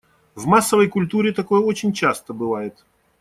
В массовой культуре такое очень часто бывает.